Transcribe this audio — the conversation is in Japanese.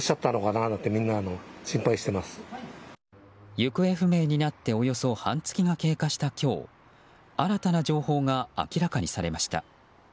行方不明になっておよそ半月が経過した今日新たな情報が明らかにされました。